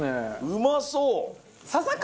うまそう！